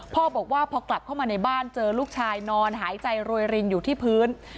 พ่อบอกว่าพอกลับเข้ามาในบ้านเจอลูกชายนอนหายใจรวยรินอยู่ที่พื้น